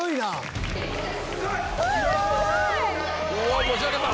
あ持ち上げた。